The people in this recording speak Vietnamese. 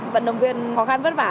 vận động viên khó khăn vất vả